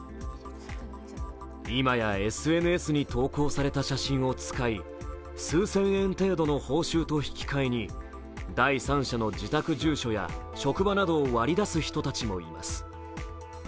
今やＳＮＳに投稿された写真を使い数千円程度の報酬と引き替えに第三者の自宅住所や職場などを割り出す人たちもいます。